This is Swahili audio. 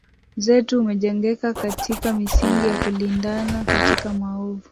zetu umejengeka katika misingi ya kulindana katika maovu